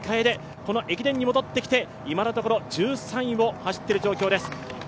この駅伝に戻ってきて１３位を走っている状況です。